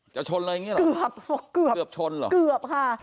จะชนเลยอย่างงี้หรอค่ะเกือบ